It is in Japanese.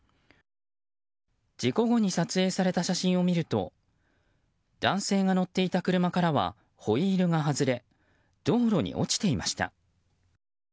事故後に撮影された写真を見ると男性が乗っていた車からはホイールが外れ道路に落ちていました。